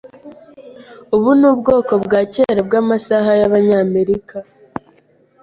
Ubu ni ubwoko bwakera bwamasaha yabanyamerika.